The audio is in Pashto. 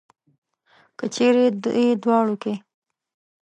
که چېرې دې دواړو کې.